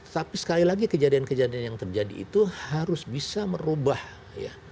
tapi sekali lagi kejadian kejadian yang terjadi itu harus bisa merubah ya